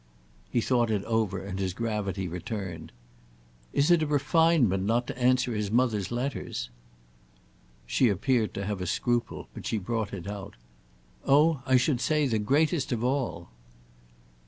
He thought it over and his gravity returned. "Is it a refinement not to answer his mother's letters?" She appeared to have a scruple, but she brought it out. "Oh I should say the greatest of all."